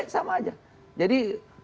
sama aja jadi